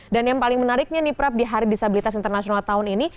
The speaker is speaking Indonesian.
dan yang paling menariknya nih prab di hari disabilitas internasional tahun ini